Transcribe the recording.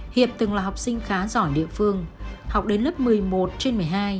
hiệp từng là học sinh khá giỏi địa phương học đến lớp một mươi một trên một mươi hai